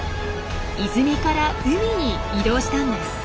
泉から海に移動したんです。